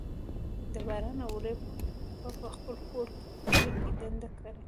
د باران او واورې اوبه په خپل کور، کلي کي ډنډ کړئ